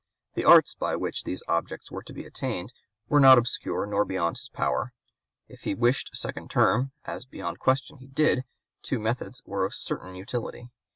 The arts by which these objects were to be attained were not obscure nor beyond his power. If he wished a second term, as beyond question he did, two methods were of certain utility.